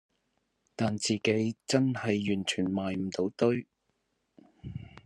但自己真係完全埋唔到堆